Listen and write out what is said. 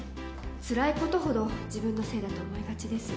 つらいことほど自分のせいだと思いがちです